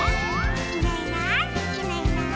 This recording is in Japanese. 「いないいないいないいない」